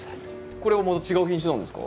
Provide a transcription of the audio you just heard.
これはまた違う品種なんですか？